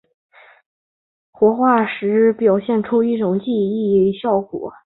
这个种系的蛋白在活化时表现出一种记忆效应。